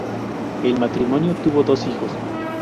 El matrimonio tuvo dos hijos.